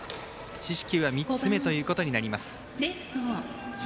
四死球は３つ目ということになります。